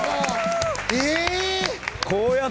えっ！